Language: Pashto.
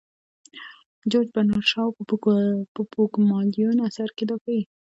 جورج برنارد شاو په پوګمالیون اثر کې دا ښيي.